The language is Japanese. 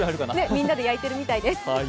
みんなで焼いているみたいです。